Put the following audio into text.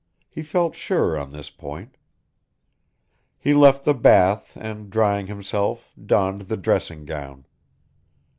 He felt sure on this point. He left the bath and, drying himself, donned the dressing gown.